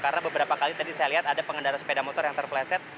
karena beberapa kali tadi saya lihat ada pengendara sepeda motor yang terpleset